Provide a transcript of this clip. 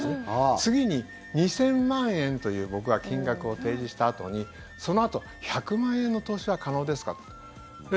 次に、２０００万円という僕が金額を提示したあとにそのあと、１００万円の投資は可能ですかと。